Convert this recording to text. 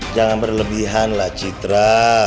jangan berlebihan lah citra